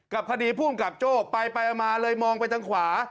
กับคดีภูมิกับโจ้ไปมาเลยมองไปทางขวา